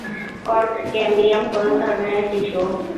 Cork cambium কোন ধরনের tissue?